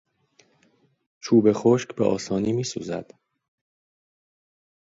چوب خشک به آسانی میسوزد.